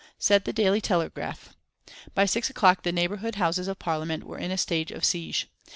Said the Daily Telegraph: By six o'clock the neighbourhood Houses of Parliament were in a stage of siege.